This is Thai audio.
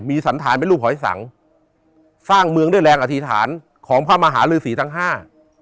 สันธารเป็นรูปหอยสังสร้างเมืองด้วยแรงอธิษฐานของพระมหาลือศรีทั้งห้า